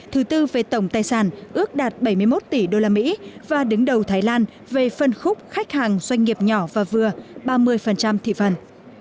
thứ tư về tổng tài sản ước đạt bảy mươi một tỷ usd và đứng đầu thái lan về phân khúc khách hàng doanh nghiệp nhỏ và vừa ba mươi thị phần